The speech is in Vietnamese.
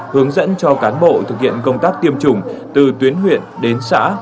hướng dẫn cho cán bộ thực hiện công tác tiêm chủng từ tuyến huyện đến xã